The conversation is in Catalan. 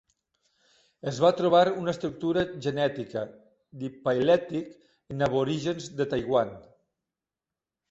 Es va trobar una estructura genètica "diphyletic" en aborígens de Taiwan.